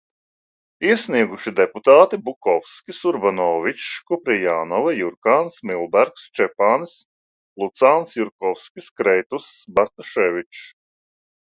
Iesnieguši deputāti Bukovskis, Urbanovičs, Kuprijanova, Jurkāns, Milbergs, Čepānis, Lucāns, Jurkovskis, Kreituss, Bartaševičs.